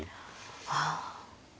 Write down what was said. ああ。